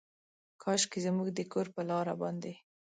کاشکي زموږ د کور پر لاره باندې،